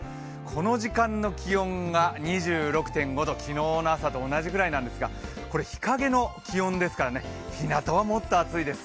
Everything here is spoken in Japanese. この時間の気温が２６．５度、昨日の朝と同じぐらいなんですが、これ日影の気温ですからひなたはもっと暑いです。